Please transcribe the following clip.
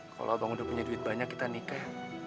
kalau abang udah punya duit banyak kita nikah